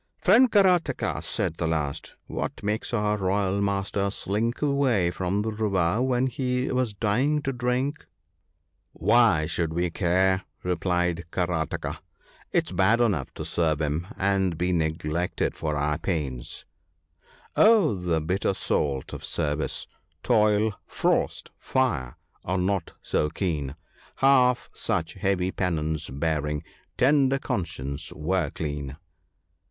I Friend Karataka,' said the last, * what makes our royal master slink away from the river when he was dying to drink ?'' Why should we care ?' replied Karataka. * It's bad enough to serve him, and be neglected for our pains, —" Oh, the bitter salt of service !— toil, frost, fire, are not so keen : Half such heavy penance bearing, tender consciences were clean."